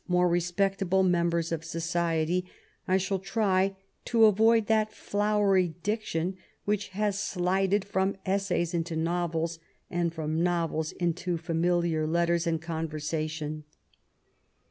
99 more respectable members of society, I shall try to avoid that flowery diction which has slided from essays into novels, and from novels into familiar letters and conversation.